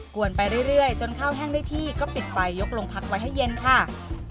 วนไปเรื่อยจนข้าวแห้งได้ที่ก็ปิดไฟยกลงพักไว้ให้เย็นค่ะ